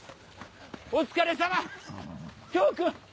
お疲れさま漂君。